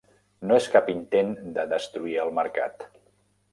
No és cap intent de destruir el mercat.